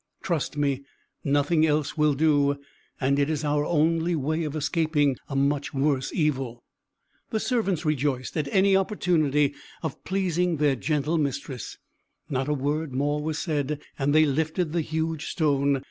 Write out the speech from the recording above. Trust me, nothing else will do, and it is our only way of escaping a much worse evil." The servants rejoiced at any opportunity of pleasing their gentle mistress; not a word more was said, and they lifted the huge stone.